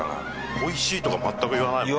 「おいしい」とか全く言わないもんね。